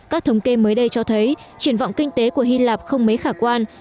các thống kê mới đây cho thấy triển vọng kinh tế của hy lạp không mấy khả quan